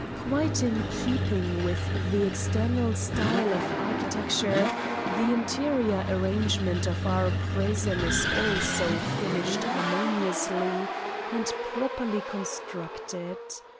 Quite in keeping with the external style of architecture, the interior arrangement of our prison is also finished harmoniously and properly constructed.